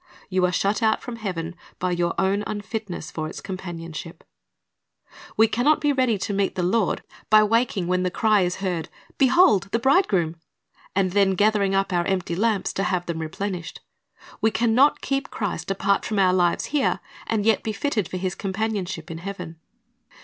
Vou are shut out from heaven by your own unfitness for its companionship. We can not be ready to meet the Lord b\ waking when 1 Luke 13 : 26, 27; Matt. 7 : 22 2 I Cor. 2:11 414 Chris t^s Object Lessons the cry is heard, "Behold, the Bridegroom!" and then gathering up our empty lamps to have them replenished. We can not keep Christ apart from our lives here, and yet be fitted for His companionship in heaven.